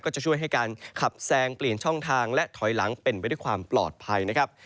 จะช่วยให้การขับแซงเปลี่ยนช่องทางและถอยหลังเป็นไปด้วยความปลอดภัยนะครับ